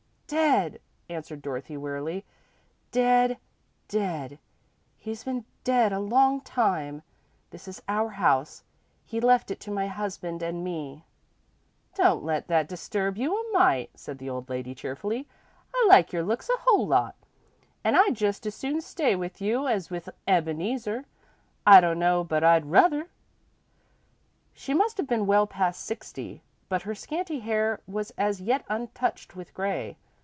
"Dead," answered Dorothy, wearily; "dead, dead. He's been dead a long time. This is our house he left it to my husband and me." "Don't let that disturb you a mite," said the old lady, cheerfully. "I like your looks a whole lot, an' I'd just as soon stay with you as with Ebeneezer. I dunno but I'd ruther." She must have been well past sixty, but her scanty hair was as yet untouched with grey.